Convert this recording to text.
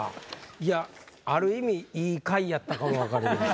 いやある意味いい回やったかもわかりません。